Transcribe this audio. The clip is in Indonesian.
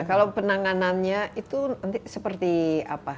nah kalau penanganannya itu nanti seperti apa